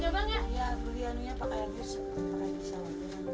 bisa dimasukin sini